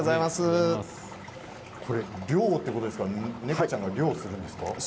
漁ということですが猫ちゃんが漁をするんですか？